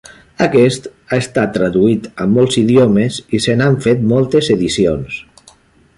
Aquest ha estat traduït a molts d'idiomes i se n'han fet moltes edicions.